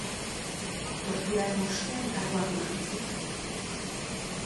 Torturatu ostean, karguak onartu zituen.